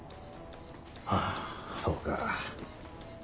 ああそうか。